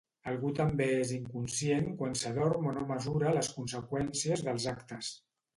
Algú també és inconscient quan s'adorm o no mesura les conseqüències dels actes.